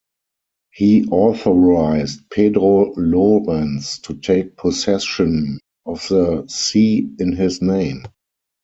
He authorized Pedro Llorens to take possession of the see in his name.